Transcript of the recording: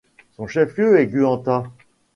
Son chef-lieu est Guanta.